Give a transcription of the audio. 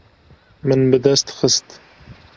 Min bi dest xist.